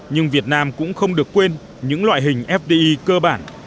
nhưng việt nam cũng không được quên những loại hình fdi cơ bản